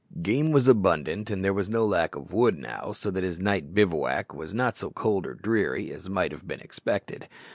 Game was abundant, and there was no lack of wood now, so that his night bivouac was not so cold or dreary as might have been expected.